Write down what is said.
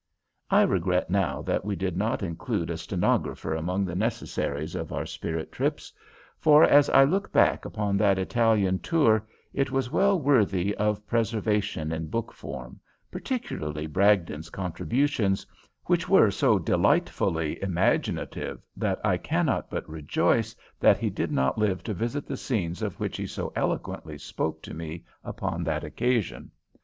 I regret now that we did not include a stenographer among the necessaries of our spirit trips, for, as I look back upon that Italian tour, it was well worthy of preservation in book form, particularly Bragdon's contributions, which were so delightfully imaginative that I cannot but rejoice that he did not live to visit the scenes of which he so eloquently spoke to me upon that occasion.